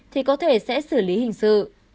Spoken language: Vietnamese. thì có thể sẽ xử lý hình sự